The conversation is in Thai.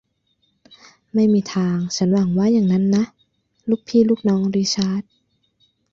ไม่มีทาง ฉันหวังว่าอย่างนั้นนะ ลูกพี่ลูกน้องริชาร์ด